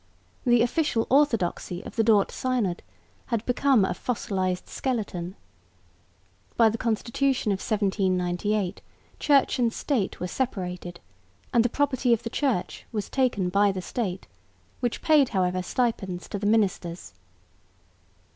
The official orthodoxy of the Dort synod had become "a fossilised skeleton." By the Constitution of 1798 Church and State were separated, and the property of the Church was taken by the State, which paid however stipends to the ministers.